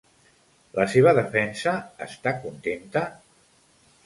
La seva defensa està contenta?